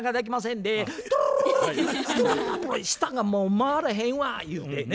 舌がもう回らへんわ言うてね。